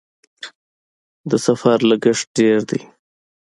د سفر لګښت ډیر دی؟